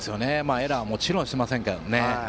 エラーはもちろんしていませんが。